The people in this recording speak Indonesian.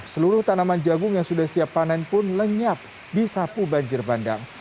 seluruh tanaman jagung yang sudah siap panen pun lenyap di sapu banjir bandang